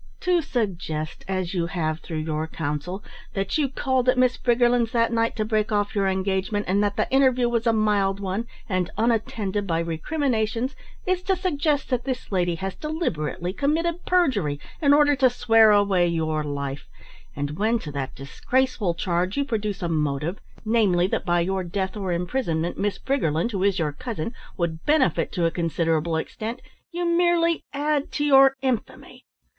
"To suggest, as you have through your counsel, that you called at Miss Briggerland's that night to break off your engagement and that the interview was a mild one and unattended by recriminations is to suggest that this lady has deliberately committed perjury in order to swear away your life, and when to that disgraceful charge you produce a motive, namely that by your death or imprisonment Miss Briggerland, who is your cousin, would benefit to a considerable extent, you merely add to your infamy.